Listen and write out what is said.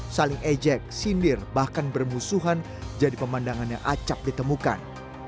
saling ejek sindir bahkan bermusuhan jadi pemandangannya acap ditemukan